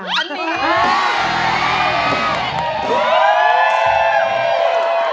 อันนี้